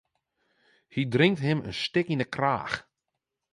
Hy drinkt him in stik yn 'e kraach.